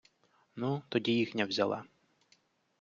Ну, тоді їхня взяла.